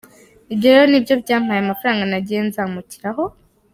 Ibyo rero ni byo byampaye amafaranga nagiye nzamukiraho.